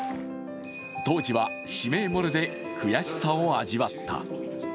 当時は指名漏れで、悔しさを味わった。